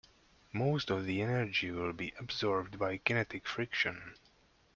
Most of the energy will be absorbed by kinetic friction.